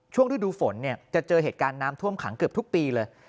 ฤดูฝนจะเจอเหตุการณ์น้ำท่วมขังเกือบทุกปีเลย